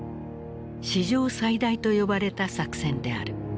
史上最大と呼ばれた作戦である。